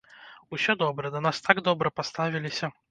Усё добра, да нас так добра паставіліся.